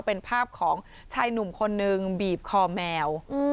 เป็นภาพของชายหนุ่มคนนึงบีบคอแมว